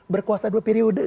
berkuasa dua periode